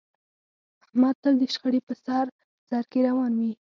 احمد تل د شخړې په سر سرکې روان وي.